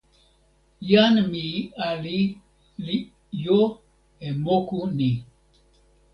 jan mi ali li jo e moku ni.